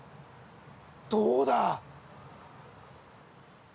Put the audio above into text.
どうだ？